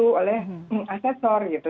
atau diseluruh oleh asesor gitu